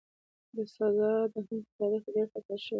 دا سزا د هند په تاریخ کې ډېره تکرار شوې ده.